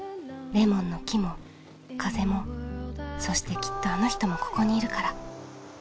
レモンの木も風もそしてきっとあの人もここにいるから。